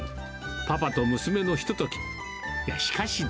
パパと娘のひととき。